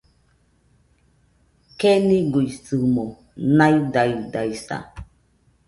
Keniguisɨmo naidaidaisa